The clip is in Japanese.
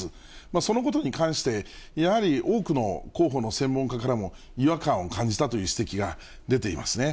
そのことに関して、やはり多くの広報の専門家からも、違和感を感じたという指摘が出ていますね。